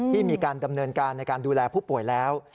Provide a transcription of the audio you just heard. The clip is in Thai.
ที่มีการดำเนินการในการดูแลผู้ป่วยแล้ว